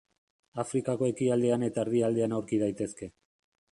Afrikako ekialdean eta erdialdean aurki daitezke.